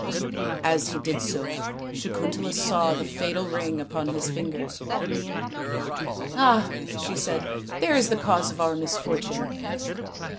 As he did so Sakuntala saw the fatal ring upon his finger. " Ah," she said, " there is the cause of our misfortune."